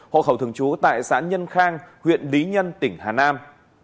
hộ khẩu thường trú tại xã nhân khang huyện lý nhân tỉnh hà nam